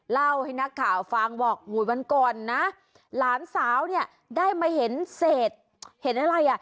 เล่าให้นักข่าวฟังบอกอุ้ยวันก่อนนะหลานสาวเนี่ยได้มาเห็นเศษเห็นอะไรอ่ะ